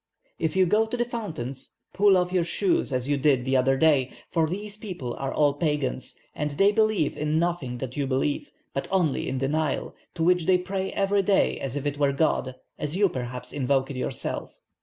If you go to the fountains, pull off your shoes as you did the other day, for these people are all Pagans, and they believe in nothing that you believe, but only in the Nile, to which they pray every day as if it were God, as you perhaps invoke it yourself.'